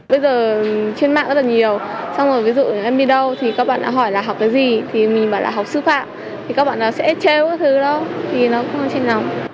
bây giờ trên mạng rất là nhiều xong rồi ví dụ em đi đâu thì các bạn hỏi là học cái gì thì mình bảo là học sư phạm thì các bạn sẽ chêu cái thứ đó thì nó không trên lòng